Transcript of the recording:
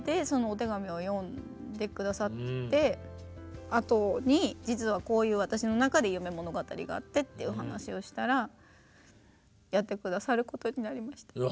そのお手紙を読んで下さってあとに実はこういう私の中で夢物語があってという話をしたらやって下さることになりました。